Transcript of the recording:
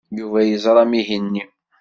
Yuba yeẓra amihi-nni.